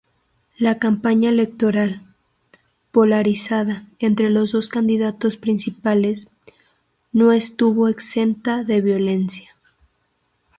La campaña electoral, polarizada entre los dos candidatos principales, no estuvo exenta de violencia.